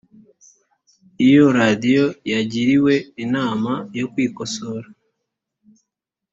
iyo radiyo yagiriwe inama yo kwikosora